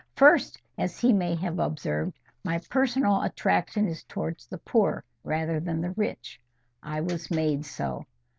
First, as he may have observed, my personal attraction is towards the poor rather than the rich. I was made so.